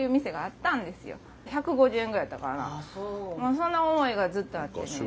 そんな思いがずっとあってね。